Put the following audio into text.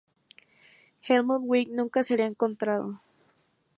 Helmut Wick nunca sería encontrado.